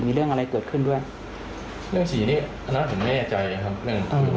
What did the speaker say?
มีเรื่องอะไรเกิดขึ้นด้วยเรื่องฉี่นี่อันนั้นผมแม่ใจครับ